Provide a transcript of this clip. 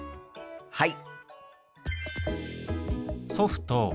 はい！